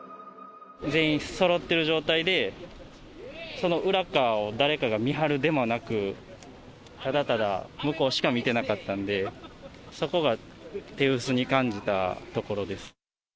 全員そろってる状態で、その裏っ側を誰かが見張るでもなく、ただただ向こうしか見てなかったんで、そこが手薄に感じたところです。